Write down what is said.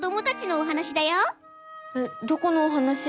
えっどこのお話？